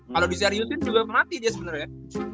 kalo bisa riutin juga mati dia sebenernya